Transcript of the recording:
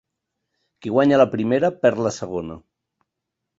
Qui guanya la primera perd la segona.